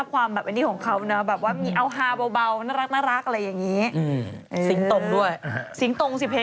คือคือคือคือคือคือคือ